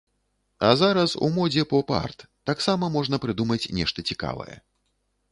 А зараз у модзе поп-арт, таксама можна прыдумаць нешта цікавае.